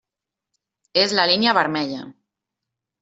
És la línia vermella.